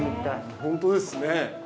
◆本当ですね。